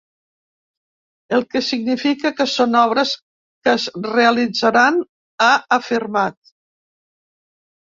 “El que significa que són obres que es realitzaran” ha afirmat.